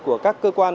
của các cơ quan